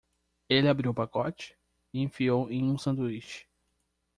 Ele abriu o pacote? e enfiou em um sanduíche.